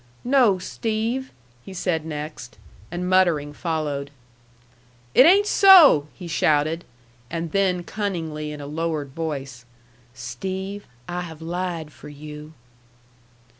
"No, Steve," he said next, and muttering followed. "It ain't so!" he shouted; and then cunningly in a lowered voice, "Steve, I have lied for you."